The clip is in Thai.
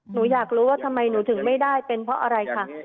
หนูอยากรู้ว่าทำไมหนูถึงไม่ได้เป็นเพราะอะไรค่ะ